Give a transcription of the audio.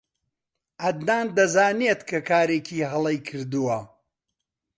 عەدنان دەزانێت کە کارێکی هەڵەی کردووە.